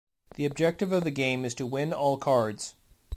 The objective of the game is to win all cards.